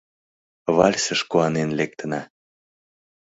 Вальсыш куанен лектына.